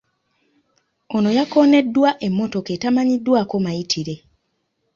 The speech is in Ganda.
Ono yakooneddwa emmotoka etamanyikiddwako mayitire.